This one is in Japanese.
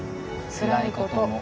「つらいこと」